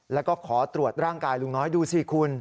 แล้วก็ขอตรวจร่างกายลุงน้อยดูสิคุณ